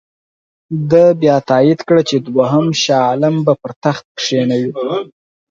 ده بیا تایید کړه چې دوهم شاه عالم به پر تخت کښېنوي.